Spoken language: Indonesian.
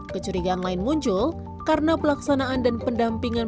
kecurigaan lain muncul karena pelaksanaan dan pendampingan